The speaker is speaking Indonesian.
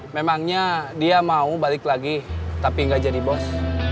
memangnya dia mau balik lagi tapi nggak jadi bos